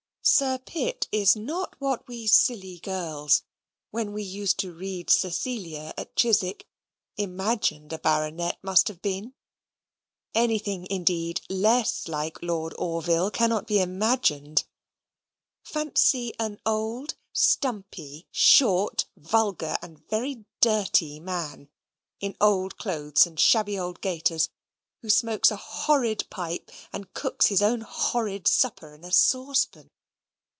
Sir Pitt is not what we silly girls, when we used to read Cecilia at Chiswick, imagined a baronet must have been. Anything, indeed, less like Lord Orville cannot be imagined. Fancy an old, stumpy, short, vulgar, and very dirty man, in old clothes and shabby old gaiters, who smokes a horrid pipe, and cooks his own horrid supper in a saucepan.